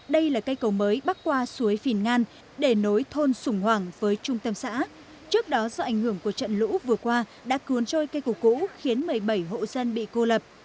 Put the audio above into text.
đây là cây cầu mới bắc qua suối phìn ngan để nối thôn sùng hoàng với trung tâm xã trước đó do ảnh hưởng của trận lũ vừa qua đã cuốn trôi cây củ cũ khiến một mươi bảy hộ dân bị cô lập